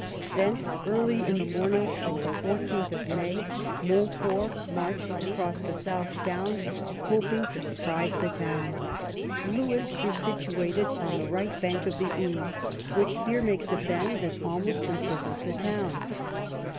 Thence, early on the morning of 14th May, Montfort marched across the South Downs, hoping to surprise the town. Lewes is situated on the right bank of the Ouse, which here makes a bend that almost encircles the town.